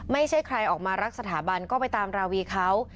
ไม่ใช่ใครออกมารักสถาบันก็ไปตามราวีเขา